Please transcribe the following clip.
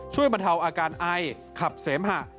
บรรเทาอาการไอขับเสมหะ